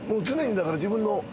常にだから自分の。